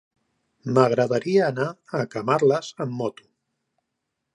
M'agradaria anar a Camarles amb moto.